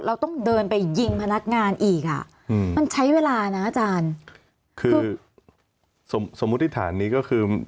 เราต้องเดินไปยิงพนักงานอีกอ่ะอืมมันใช้เวลานะอาจารย์คือสมมุติฐานนี้ก็คือ